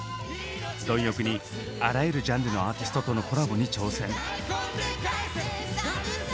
貪欲にあらゆるジャンルのアーティストとのコラボに挑戦。